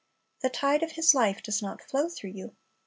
The tide of His life does not flow through you.